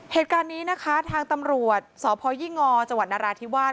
เหตุการณ์นี้นะคะทางตำรวจสพยิงจนราธิวาส